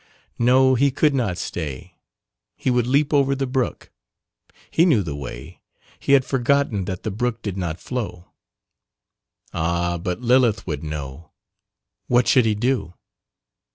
No, he could not stay, he would leap over the brook, he knew the way he had forgotten that the brook did not flow. Ah, but Lilith would know what should he do?